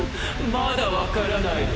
まだ分からないの？